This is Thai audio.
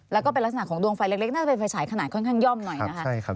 แล้วก็เป็นลักษณะของดวงไฟเล็กน่าจะเป็นไฟฉายขนาดค่อนข้างย่อมหน่อยนะคะ